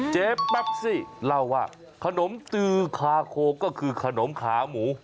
เจ๊แปปซี่เล่าว่าขนมตือคาโกเก่าก็คือขนมขาหมู